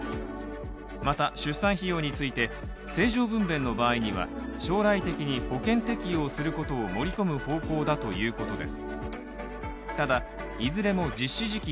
また出産費用について正常分べんの場合には将来的に保険適用することを盛り込む方向だということです。